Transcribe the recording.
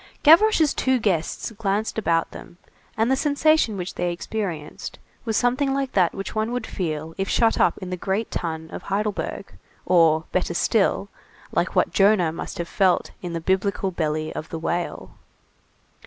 Gavroche's two guests glanced about them, and the sensation which they experienced was something like that which one would feel if shut up in the great tun of Heidelberg, or, better still, like what Jonah must have felt in the biblical belly of the whale.